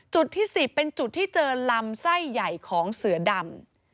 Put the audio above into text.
ที่๑๐เป็นจุดที่เจอลำไส้ใหญ่ของเสือดำ